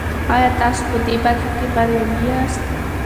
آیا تاسو په دې برخه کې بریالي یاست؟